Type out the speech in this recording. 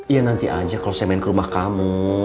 ya nanti aja kalau saya main ke rumah kamu